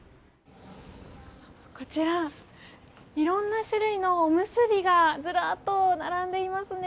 こちらいろんな種類のおむすびがずらっと並んでいますね。